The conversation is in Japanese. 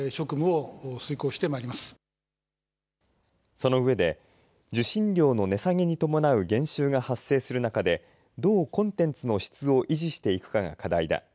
その上で受信料の値下げに伴う減収が発生する中でどうコンテンツの質を維持していくかが課題だ。